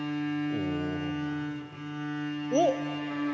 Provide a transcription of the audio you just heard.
おっ。